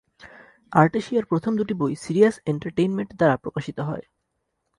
আর্টেশিয়ার প্রথম দুটি বই সিরিয়াস এন্টারটেইনমেন্ট দ্বারা প্রকাশিত হয়।